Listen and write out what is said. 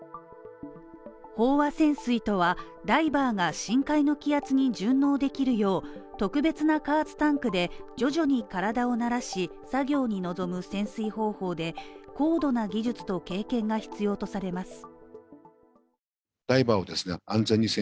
飽和潜水とは、ダイバーが深海の気圧に順応できるよう、特別な加圧タンクで徐々に体を慣らし、作業に臨む潜水方法で高度な技術と経験が必要とされます。